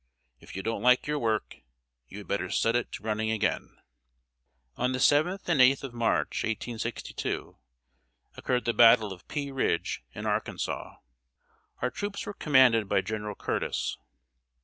If you don't like your work, you had better set it to running again." On the 7th and 8th of March, 1862, occurred the battle of Pea Ridge, in Arkansas. Our troops were commanded by General Curtis.